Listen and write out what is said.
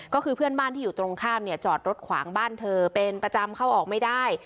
ก็คือเพื่อนบ้านที่อยู่ตรงข้ามเนี่ยจอดรถขวางบ้านเธอเป็นประจำเข้าออกไม่ได้